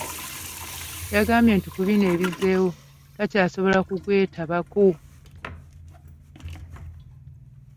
Yagambye nti ku bino ebizzeewo takyasobola kugwetabako.